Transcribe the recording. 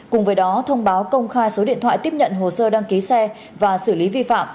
cùng với đó thông báo công khai số điện thoại tiếp nhận hồ sơ đăng ký xe và xử lý vi phạm